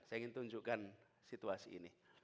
saya ingin tunjukkan situasi ini